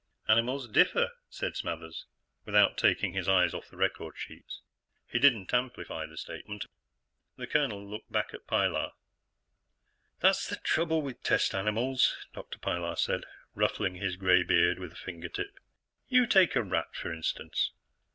"Animals differ," said Smathers, without taking his eyes off the record sheets. He didn't amplify the statement. The colonel looked back at Pilar. "That's the trouble with test animals," Dr. Pilar said, ruffling his gray beard with a fingertip. "You take a rat, for instance.